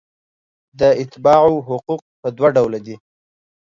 د اتباعو حقوق په دوه ډوله دي.